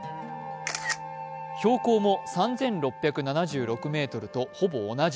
標高も３６７６ｍとほぼ同じ。